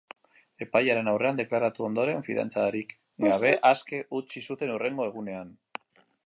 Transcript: Epailearen aurrean deklaratu ondoren, fidantzarik gabe aske utzi zuten hurrengo egunean.